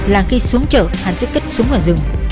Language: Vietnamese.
là khi xuống chợ hàn sức kích súng ở rừng